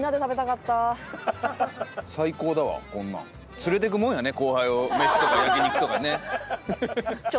連れていくもんやね後輩を飯とか焼肉とかね。